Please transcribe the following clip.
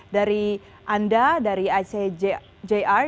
dari anda dari icjr